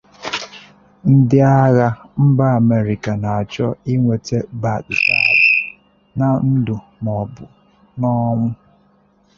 ndị agha mba Amerịka na-achọ ịnwete Baghdadi na ndụ maọbụ n’ọnwụ